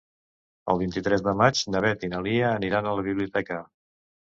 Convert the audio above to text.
El vint-i-tres de maig na Beth i na Lia aniran a la biblioteca.